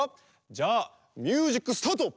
じゃあミュージックスタート！